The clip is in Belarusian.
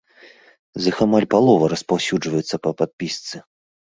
З іх амаль палова распаўсюджваецца па падпісцы.